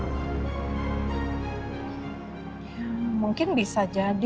ya mungkin bisa jadi